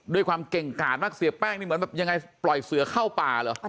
ด้วยความเก่งกาดมากเสียแป้งนี่เหมือนแบบยังไงปล่อยเสือเข้าป่าเหรอ